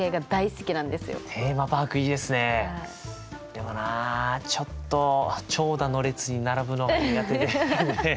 でもなちょっと長蛇の列に並ぶのが苦手で。